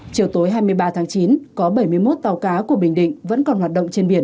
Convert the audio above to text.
chiều tối hai mươi ba tháng chín có bảy mươi một tàu cá của bình định vẫn còn hoạt động trên biển